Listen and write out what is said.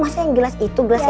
masa yang gelas itu gelas ini